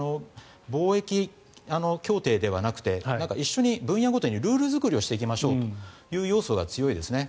貿易協定ではなくて一緒に、分野ごとにルール作りをしていきましょうという要素が強いですね。